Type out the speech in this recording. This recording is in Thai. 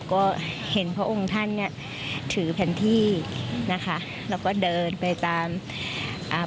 ก็เห็นพระองค์ท่านเนี้ยถือแผนที่นะคะแล้วก็เดินไปตามอ่า